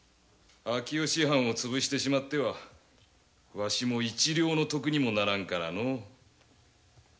秋吉藩をつぶしてしまってはワシも一両の得にもならんからのう。